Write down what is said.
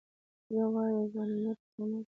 يو وارې د ځوانيمرګ صمد